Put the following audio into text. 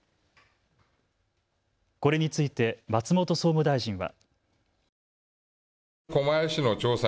これについて松本総務大臣は。